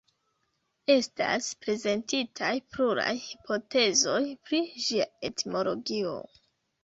Estas prezentitaj pluraj hipotezoj pri ĝia etimologio.